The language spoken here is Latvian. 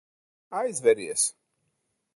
Aizveries.